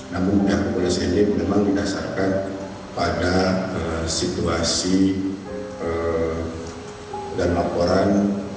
namun pihak kepolisian ini memang didasarkan pada situasi dan laporan